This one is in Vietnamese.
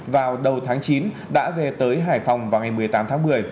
vào đầu tháng chín đã về tới hải phòng vào ngày một mươi tám tháng một mươi